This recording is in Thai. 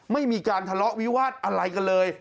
ไม่มีการทะเลาะวิวาสอะไรกันเลย